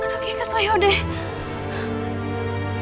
aduh kikis leho deh